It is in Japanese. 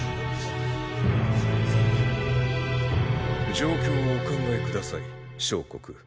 状況をお考え下さい相国。